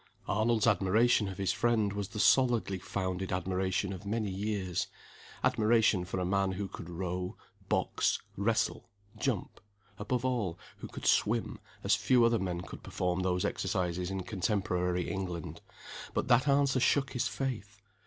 Arnold's admiration of his friend was the solidly founded admiration of many years; admiration for a man who could row, box, wrestle, jump above all, who could swim as few other men could perform those exercises in contemporary England. But that answer shook his faith.